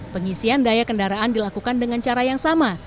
pengisian daya kendaraan dilakukan dengan cara yang sama